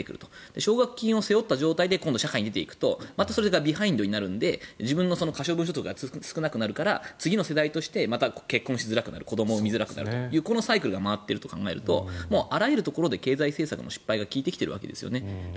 奨学金を背負った状態で社会に出るとまたそれがビハインドになるので自分の可処分所得が少なくなるから次の世代として結婚しづらくなる子どもを産みづらくなるというこのサイクルが回っていると考えるとあらゆるところで経済政策の失敗が効いているわけです。